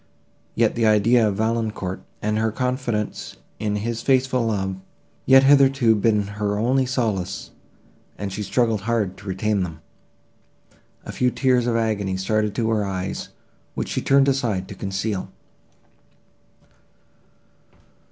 Yet the idea of Valancourt, and her confidence in his faithful love, had hitherto been her only solace, and she struggled hard to retain them. A few tears of agony started to her eyes, which she turned aside to conceal.